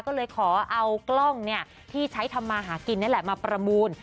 ก็เลยขอเอากล้องที่ใช้ทำมาหากินนี่แหละมาประมูล